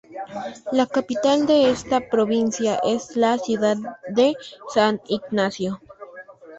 La capital de esta provincia es la ciudad de "San Ignacio".